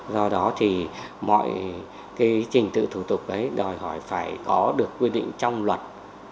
do đó thì mọi cái trình tự thủ tục ấy đòi hỏi phải có được quy định trong luật